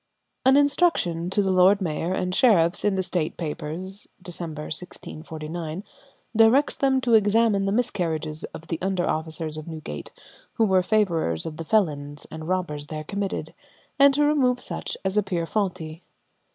An instruction to the lord mayor and sheriffs in the State Papers (Dec., 1649) directs them to examine the miscarriages of the under officers of Newgate who were favourers of the felons and robbers there committed, and to remove such as appear faulty.